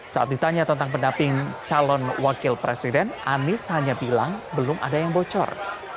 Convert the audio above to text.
saat ditanya tentang pendamping calon wakil presiden anies hanya bilang belum ada yang bocor